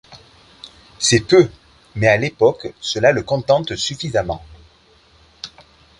C’est peu, mais à l’époque cela le contente suffisamment.